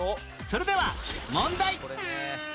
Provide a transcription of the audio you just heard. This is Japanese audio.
それでは問題